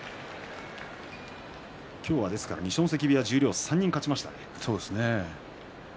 今日は二所ノ関部屋十両力士は３人勝ちました。